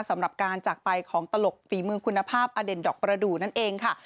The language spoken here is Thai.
สำหรับการจากไปของตลกฝีมือคุณภาพอเด่นดอกประดูกนั่นเองค่ะ